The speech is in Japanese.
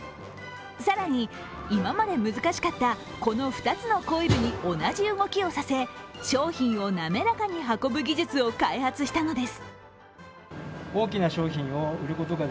更に、今まで難しかったこの２つのコイルに同じ動きをさせ、商品を滑らかに運ぶ技術を開発したのです。